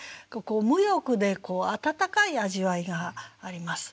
無欲で温かい味わいがあります。